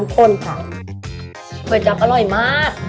ก๋วยจั๊บอร่อยมาก